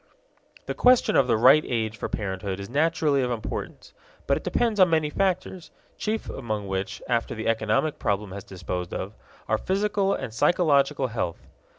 The question of the right age for parenthood is naturally of importance. But it depends on many factors, chief among which, after the economic problem has been disposed of, are physical and psychological health.